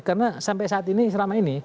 karena sampai saat ini selama ini